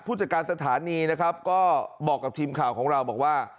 ผู้จัดการสถานีนะครับก็บอกกับทีมข่าวของเราบอกว่า